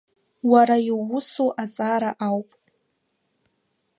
Уара иуусу аҵара ауп.